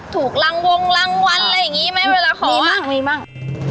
ถูกรังวงรังวันอะไรอย่างงี้แม่บ้าลาขอมีมั่งมีมั่ง